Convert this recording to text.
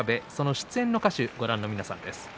出演の歌手は、ご覧の皆さんです。